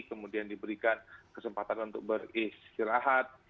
kemudian diberikan kesempatan untuk beristirahat